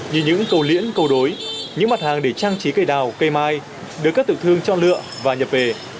như những cầu liễn cầu đối những mặt hàng để trang trí cây đào cây mai được các tiểu thương cho lựa và nhập về